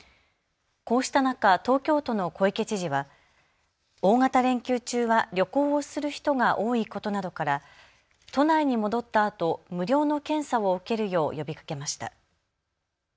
こうした中、東京都の小池知事は大型連休中は旅行をする人が多いことなどから都内に戻ったあと、無料の検査を受けるよう呼びかけました。